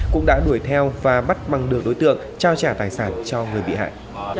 cũng đã đuổi theo và bắt bằng được đối tượng trao trả tài sản cho người bị hại